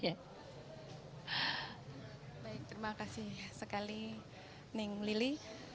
ya baik terima kasih sekali ning lili